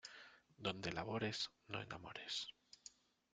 Donde labores no enamores.